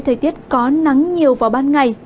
thời tiết có nắng nhiều vào ban ngày